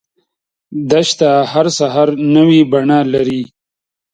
دښته هر سحر نوی بڼه لري.